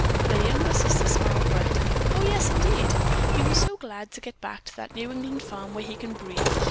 Their youngest sister smiled brightly. "Oh, yes, indeed. He was so glad to get back to that New England farm where he can breathe.